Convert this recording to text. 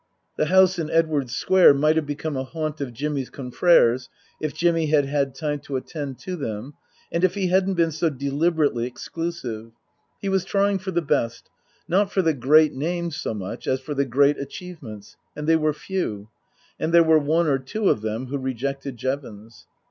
The house in Edwardes Square might have become a haunt of Jimmy's confreres if Jimmy had had time to attend to them and if he hadn't been so deliberately exclusive. He was trying for the best not for the great names so much as for the great achievements, and they were few. And there were one or two of them who rejected Jevons.